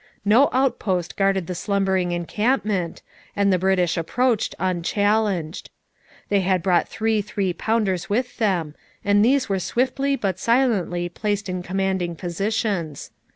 No outpost guarded the slumbering encampment, and the British approached unchallenged. They had brought three three pounders with them, and these were swiftly but silently placed in commanding positions.